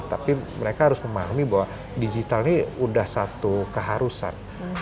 tapi mereka harus memahami bahwa digital ini sudah satu keharusan